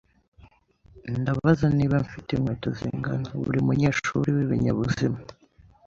Ndabaza niba mfite inkweto zingana Buri munyeshuri wibinyabuzima,